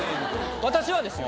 私はですよ。